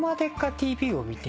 ＴＶ』を見て。